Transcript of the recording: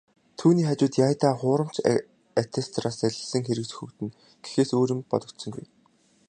Түүний хажууд "яая даа, хуурамч аттестатаар залилсан хэрэг сөхөгдөнө" гэхээс өөр юм ер бодогдсонгүй.